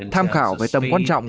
tham khảo về tầm quan trọng